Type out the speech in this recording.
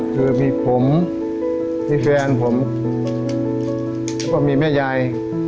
คือมีผมมีแฟนผมก็มีแม่ยาย